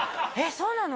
そうなの？